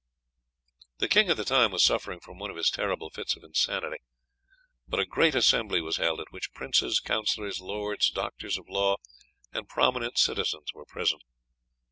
"The king at the time was suffering from one of his terrible fits of insanity, but a great assembly was held, at which princes, councillors, lords, doctors of law, and prominent citizens were present.